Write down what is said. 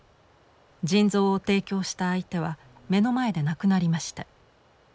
腎臓を提供した相手は目の前で亡くなりました。